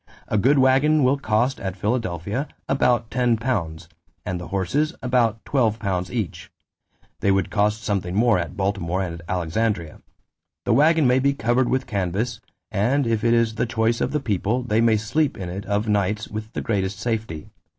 A good waggon will cost, at Philadelphia, about £10 ... and the horses about £12 each; they would cost something more both at Baltimore and Alexandria. The waggon may be covered with canvass, and if it is the choice of the people, they may sleep in it of nights with the greatest safety.